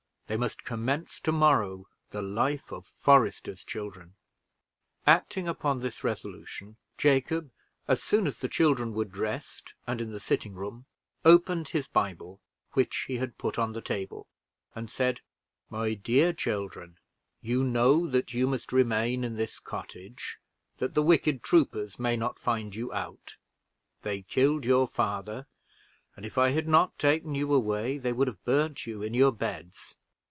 They must commence to morrow the life of foresters' children." Acting upon this resolution, Jacob, as soon as the children were dressed, and in the sitting room, opened his Bible, which he had put on the table, and said: "My dear children, you know that you must remain in this cottage, that the wicked troopers may not find you out; they killed your father, and if I had not taken you away, they would have burned you in your beds.